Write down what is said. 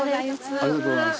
ありがとうございます。